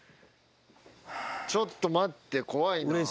ちょっと待って怖いな。